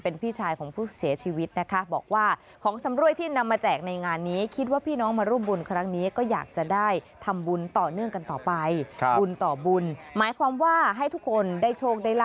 เป็นพี่ชายของผู้เสียชีวิตนะคะบอกว่าของสำรวยที่นำมาแจกในงานนี้